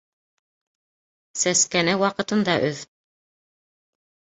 Сәскәне ваҡытында өҙ.